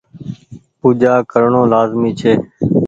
پوجآ ڪرڻو لآزمي ڇي۔